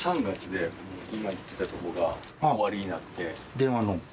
電話の。